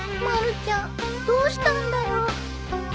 まるちゃんどうしたんだろ。